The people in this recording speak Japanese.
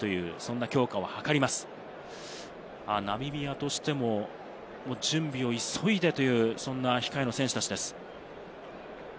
ナミビアとしても準備を急いでという控えの選手たちです。